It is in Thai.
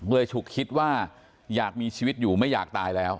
ฉุกคิดว่าอยากมีชีวิตอยู่ไม่อยากตายแล้ว